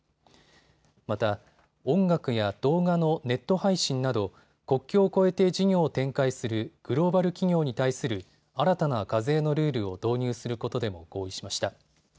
また、音楽や動画のネット配信など国境を越えて事業を展開するグローバル企業に対する新たな課税のルールを導入することでも合意しました。